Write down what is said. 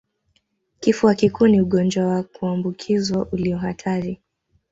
Kifua kikuu ni ugonjwa wa kuambukizwa ulio hatari